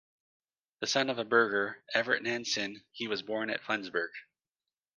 The son of a burgher, Evert Nansen, he was born at Flensburg.